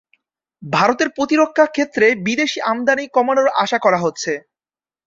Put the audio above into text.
ভারতের প্রতিরক্ষা ক্ষেত্রে বিদেশি আমদানি কমানোর আশা করা হচ্ছে।